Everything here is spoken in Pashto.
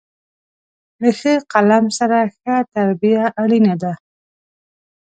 له ښه قلم سره، ښه تربیه اړینه ده.